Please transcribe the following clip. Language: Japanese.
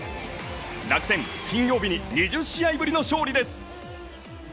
楽天、金曜日に２０試合ぶりの勝利です。